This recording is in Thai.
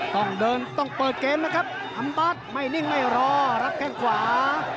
ต้องเดินต้องเปิดเกมนะครับอัมบาร์ดไม่นิ่งไม่รอรับแข้งขวา